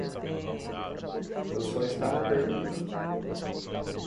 Eu só estava perguntando.